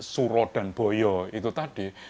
suro dan boyo itu tadi